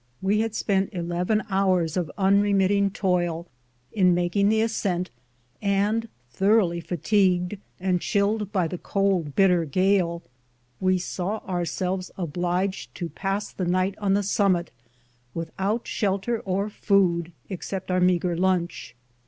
We had spent eleven hours of u unremitted toil in making the ascent, and, thoroughly fatigued, and chilled by the cold, bitter gale, we saw ourselves obliged to pass the night on the summit with out shelter or food, except our meagre lunch.